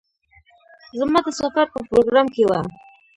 زما د سفر په پروگرام کې وه.